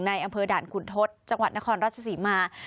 ในอำเภอด่านขุนทศจังหวัดนครรัฐศิริมาร์